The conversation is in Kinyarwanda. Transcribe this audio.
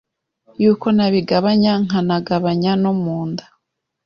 Yuko nabigabanya nkanagabanya no munda